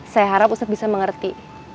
saya harap ustadz bisa mengerti